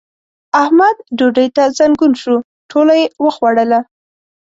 احمد ډوډۍ ته زنګون شو؛ ټوله يې وخوړله.